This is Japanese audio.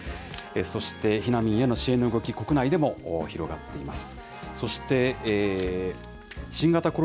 そして避難民への支援の動き、国内でも広がっています。